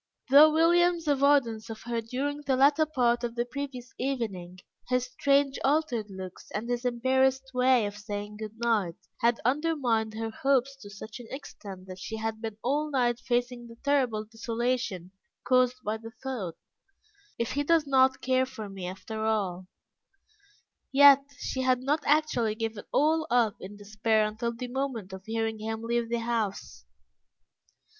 Though William's avoidance of her during the latter part of the previous evening, his strange altered looks, and his embarrassed way of saying good night, had undermined her hopes to such an extent that she had been all night facing the terrible desolation caused by the thought, "If he does not care for me after all," yet she had not actually given all up in despair until the moment of hearing him leave the house.